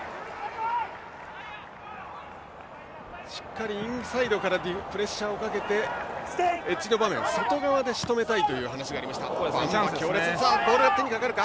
しっかりインサイドからプレッシャーをかけてエッジの場面外側でしとめたいという話がありました。